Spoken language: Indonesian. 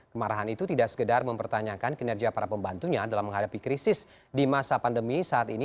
kemarahan itu tidak sekedar mempertanyakan kinerja para pembantunya dalam menghadapi krisis di masa pandemi saat ini